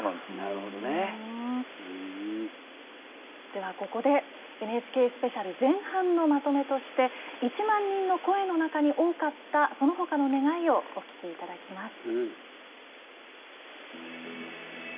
では、ここで「ＮＨＫスペシャル」前半のまとめとして１万人の声の中に多かったそのほかの願いをお聞きいただきます。